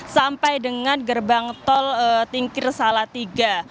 sampai dengan gerbang tol tingkir salatiga